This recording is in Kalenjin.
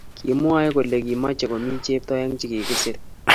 kimwoe kele kimochei komii chepto eng che kikiser